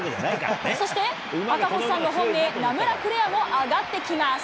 そして赤星さんの本命、ナムラクレアも上がってきます。